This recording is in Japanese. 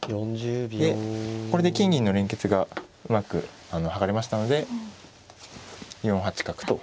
でこれで金銀の連結がうまく剥がれましたので４八角と。